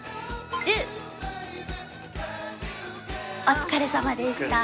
お疲れさまでした。